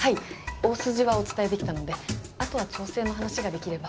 大筋はお伝えできたのであとは調整の話ができれば。